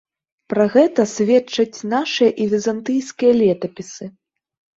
Пра гэта сведчаць нашыя і візантыйскія летапісы.